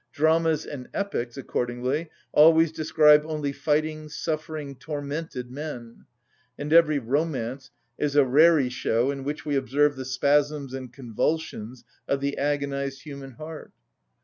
Dramas and Epics accordingly always describe only fighting, suffering, tormented men; and every romance is a rareeshow in which we observe the spasms and convulsions of the agonised human heart.